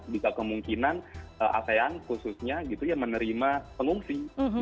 juga kemungkinan asean khususnya menerima pengungsi